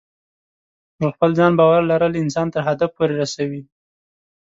پر خپل ځان باور لرل انسان تر هدف پورې رسوي.